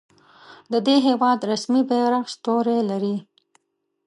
د دې هیواد رسمي بیرغ ستوری لري.